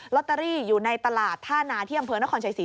ตเตอรี่อยู่ในตลาดท่านาที่อำเภอนครชัยศรี